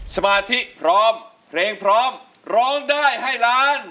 สมาธิพร้อมเพลงพร้อมร้องได้ให้ล้าน